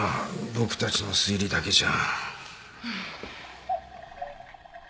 僕たちの推理だけじゃ。